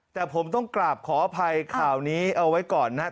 แต่ผมต้องกราบขออภัยข่าวนี้เอาไว้ก่อนนะครับ